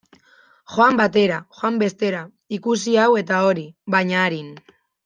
Joan batera, joan bestera, ikusi hau eta hori, baina arin.